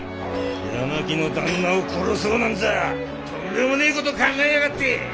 八巻の旦那を殺そうなんざとんでもねえこと考えやがって！